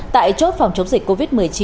tại chốt phòng chống dịch covid một mươi chín